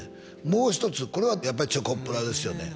もう一つこれはやっぱりチョコプラですよね